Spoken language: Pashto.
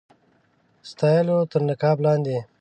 ستایلو تر نقاب لاندي.